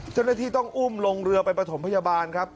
เจ้าหน้าที่ต้องอุ้มลงเรือไปประถมพยาบาลครับ